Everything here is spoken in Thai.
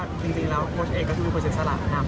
จริงแล้วโค้ชเอกก็จะดูประสิทธิ์สลักนะ